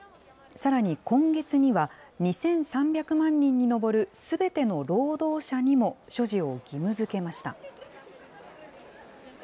さらに今月には、２３００万人に上るすべての労働者にも所持を義務づけました。